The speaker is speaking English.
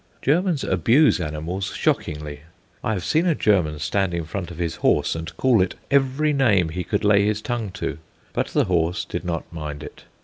Germans abuse animals shockingly. I have seen a German stand in front of his horse and call it every name he could lay his tongue to. But the horse did not mind it.